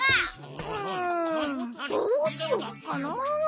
うんどうしよっかな。